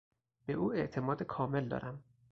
به او اعتماد کامل دارم.